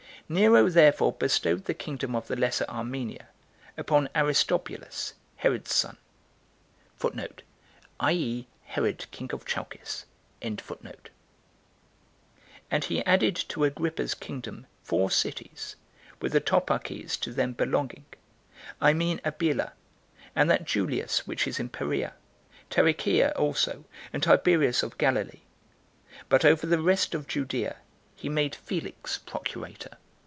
2. Nero therefore bestowed the kingdom of the Lesser Armenia upon Aristobulus, Herod's son, 17 and he added to Agrippa's kingdom four cities, with the toparchies to them belonging; I mean Abila, and that Julias which is in Perea, Tarichea also, and Tiberias of Galilee; but over the rest of Judea he made Felix procurator.